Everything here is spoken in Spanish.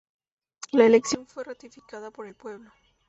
La elección fue ratificada por el pueblo.